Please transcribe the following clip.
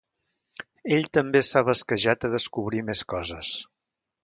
Ell també s'ha basquejat a descobrir més coses.